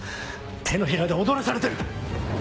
手のひらで踊らされてる！